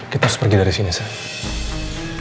kita harus pergi dari sini